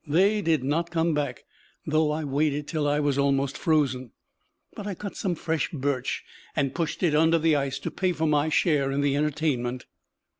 They did not come back, though I waited till I was almost frozen. But I cut some fresh birch and pushed it under the ice to pay for my share in the entertainment.